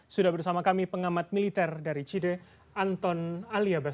sudah bersama kami pengamat militer dari cide anton aliabas